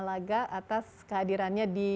laga atas kehadirannya di